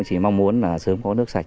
chỉ mong muốn là sớm có nước sạch